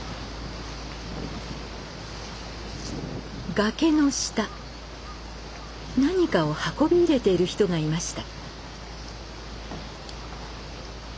崖の下何かを運び入れている人がいました。